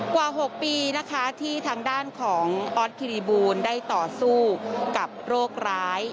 กว่า๖ปีนะคะที่ทางด้านของออสคิริบูลได้ต่อสู้กับโรคร้าย